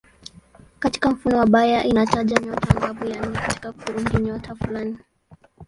Katika mfumo wa Bayer inataja nyota angavu ya nne katika kundinyota fulani.